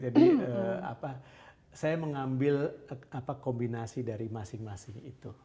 jadi saya mengambil kombinasi dari masing masing itu